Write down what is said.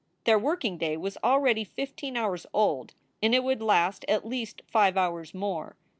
Their working day was already fifteen hours old and it would last at least five hours more.